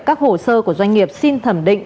các hồ sơ của doanh nghiệp xin thẩm định